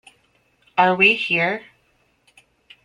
Are We Here?